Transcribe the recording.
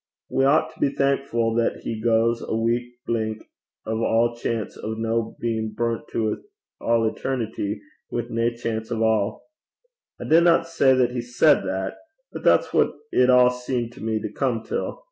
We oucht to be thankfu' that he gae's a wee blink o' a chance o' no bein' brunt to a' eternity, wi' nae chance ava. I dinna say that he said that, but that's what it a' seemed to me to come till.